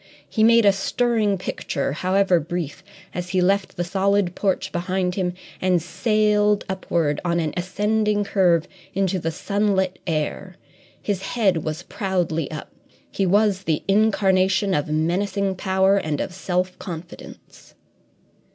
He made a stirring picture, however brief, as he left the solid porch behind him and sailed upward on an ascending curve into the sunlit air. His head was proudly up; he was the incarnation of menacing power and of self confidence.